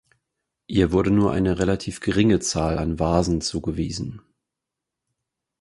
Ihr wurde nur eine relativ geringe Zahl an Vasen zugewiesen.